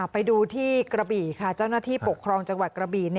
ไปดูที่กระบี่ค่ะเจ้าหน้าที่ปกครองจังหวัดกระบี่